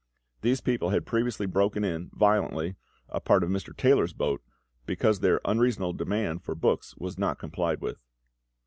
These people had previously broken in, violently, a part of Mr. Taylor's boat, because their unreasonable demand for books was not complied with.